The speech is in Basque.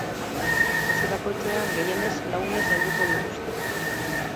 Etxe bakoitzean, gehienez, lau ume zainduko dituzte.